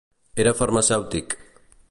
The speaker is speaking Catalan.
Era farmacèutic.